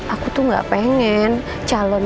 aku tuh gak pengen calon